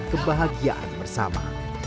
dan kebahagiaan bersama